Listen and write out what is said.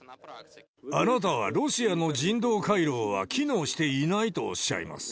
あなたはロシアの人道回廊は機能していないとおっしゃいます。